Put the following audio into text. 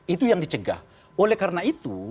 itu yang dicegah oleh karena itu